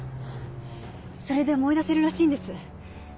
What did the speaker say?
それで思い出せるらしいんです。